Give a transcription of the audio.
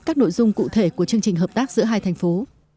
các nội dung cụ thể của chương trình hợp tác giữa hai thành phố